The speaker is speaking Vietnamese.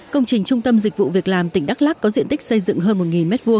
công trình trung tâm dịch vụ việc làm tỉnh đắk lắc có diện tích xây dựng hơn một m hai